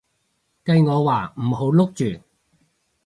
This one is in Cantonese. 計我話唔好錄住